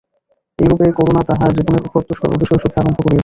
এইরূপে করুণা তাহার জীবনের প্রত্যুষকাল অতিশয় সুখে আরম্ভ করিয়াছিল।